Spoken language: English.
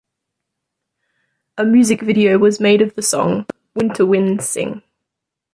A music video was made of the song "Winter Winds Sing".